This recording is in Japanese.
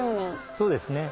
そうですね